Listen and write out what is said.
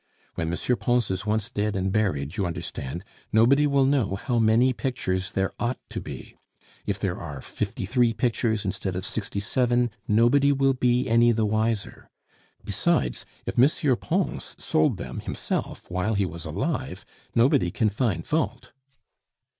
When M. Pons is once dead and buried, you understand, nobody will know how many pictures there ought to be; if there are fifty three pictures instead of sixty seven, nobody will be any the wiser. Besides, if M. Pons sold them himself while he was alive, nobody can find fault."